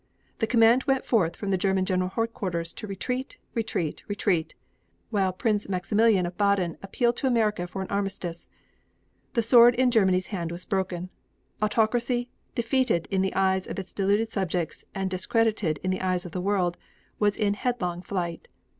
The command went forth from the German general headquarters to retreat, retreat, retreat, while Prince Maximilian of Baden appealed to America for an armistice. The sword in Germany's hand was broken. Autocracy, defeated in the eyes of its deluded subjects and discredited in the eyes of the world, was in headlong flight.